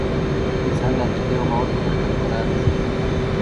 انسان د عقیدې او باور په برکت په لاره ځي.